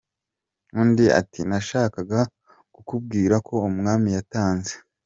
Undi ati :”Nashakaga kukubwira ko umwami yatanze”.